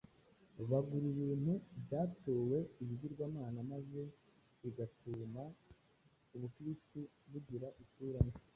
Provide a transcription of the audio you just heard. bagura ibintu byatuwe ibigirwamana maze bigatuma Ubukristo bugira isura mbi.